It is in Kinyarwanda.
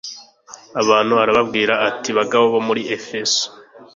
abantu arababwira ati bagabo bo muri efeso